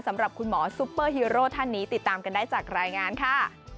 สำหรับคุณหมอซุปเปอร์ฮีโร่ท่านนี้ติดตามกันได้จากรายงานค่ะ